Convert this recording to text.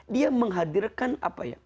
dia menghadirkan apa ya